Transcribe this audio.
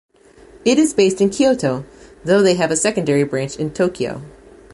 It is based in Kyoto, though they have a secondary branch in Tokyo.